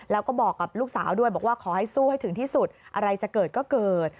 แล้วก็บอกกับลูกสาวด้วยบอกว่าขอให้สู้ให้ถึงที่สุดอะไรจะเกิดก็เกิด